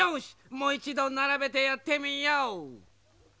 もういちどならべてやってみよう！